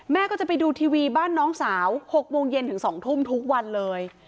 แม่ก็จะไปดูทีวีบ้านน้องสาว๖โมงเย็นถึง๒ทุ่มทุกวันเลย